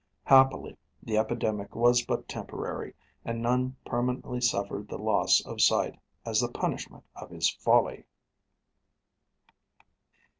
Happily the epidemic was but temporary, and none permanently suffered the loss of sight as the punishment of his folly.